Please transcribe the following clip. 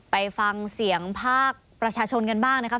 ไปฟังเสียงภาคประชาชนกันบ้างนะครับ